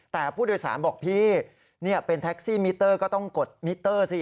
แต่ผู้โดยสารบอกพี่เป็นแท็กซี่มิเตอร์ก็ต้องกดมิเตอร์สิ